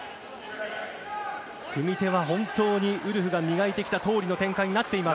組み手は本当にウルフが磨いてきたとおりの展開になっています。